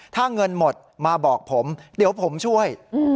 ถ้าเงินหมดมาบอกผมเดี๋ยวผมช่วย